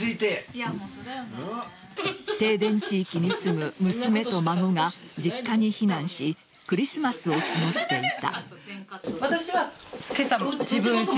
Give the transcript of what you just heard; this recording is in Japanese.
停電地域に住む娘と孫が実家に避難しクリスマスを過ごしていた。